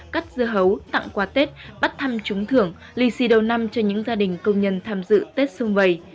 cắt dưa hấu tặng quà tết bắt thăm trúng thưởng lì xì đầu năm cho những gia đình công nhân tham dự tết xuân vầy